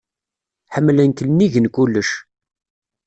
Ḥemmlen-k nnig n kulec.